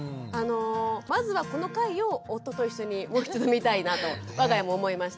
まずはこの回を夫と一緒にもう一度見たいなと我が家も思いましたし。